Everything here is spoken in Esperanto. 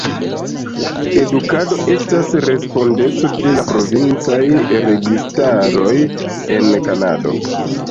Edukado estas respondeco de la provincaj registaroj en Kanado.